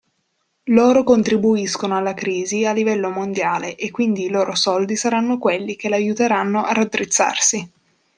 Loro contribuiscono alla crisi a livello mondiale e quindi i loro soldi saranno quelli che l'aiuteranno a raddrizzarsi.